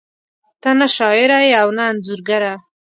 ته نه شاعره ېې او نه انځورګره